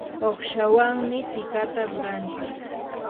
uqshawanmi tikata rurantsik.